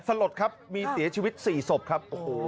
สลดครับมีเสียชีวิต๔ศพครับ